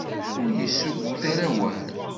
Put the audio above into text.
Ur yessuggut ara awal.